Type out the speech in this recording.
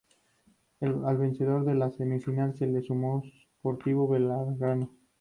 Al vencedor de la Semifinal se le sumó Sportivo Belgrano.